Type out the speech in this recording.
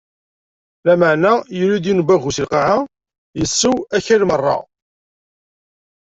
Lameɛna yuli-d yiwen n wagu si lqaɛa, issew akal meṛṛa.